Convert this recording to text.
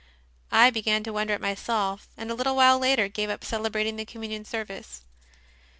I began to wonder at myself, and a little while later gave up celebrating the Communion service.